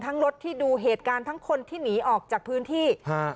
รถที่ดูเหตุการณ์ทั้งคนที่หนีออกจากพื้นที่ฮะ